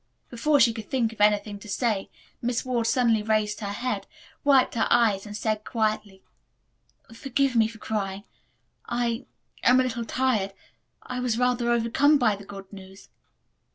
Before she could think of anything to say, Miss Ward suddenly raised her head, wiped her eyes and said quietly, "Forgive me for crying. I am a little tired. I was rather overcome by the good news."